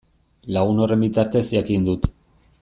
Lagun horren bitartez jakin dut.